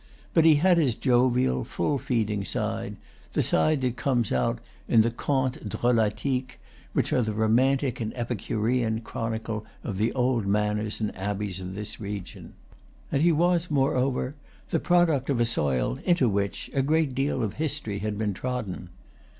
But he had his jovial, full feeding side, the side that comes out in the "Contes Drolatiques," which are the romantic and epicurean chronicle of the old manors and abbeys of this region. And he was, moreover, the product of a soil into which a great deal of history had been trodden.